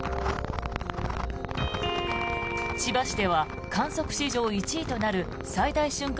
千葉市では観測史上１位となる最大瞬間